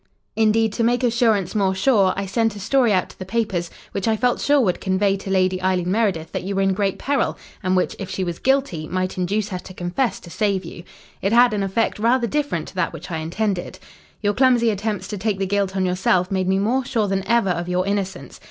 Indeed, to make assurance more sure, I sent a story out to the papers, which I felt sure would convey to Lady Eileen Meredith that you were in great peril and which, if she was guilty, might induce her to confess to save you. It had an effect rather different to that which I intended. "Your clumsy attempts to take the guilt on yourself made me more sure than ever of your innocence.